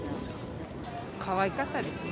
かわいかったですね。